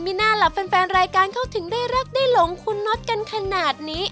มีหน้าล่ะแฟนรายการเขาถึงได้รักได้หลงคุณน็อตกันขนาดนี้